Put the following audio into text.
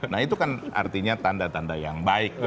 nah itu kan artinya tanda tanda yang baik